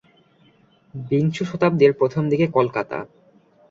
বিংশ শতাব্দীর প্রথম দিকে কলকাতা।